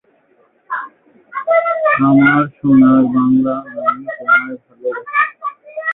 তারা সীমান্তে নজরদারি চালিয়ে যাচ্ছে।